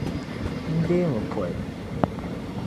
N deemi pooi.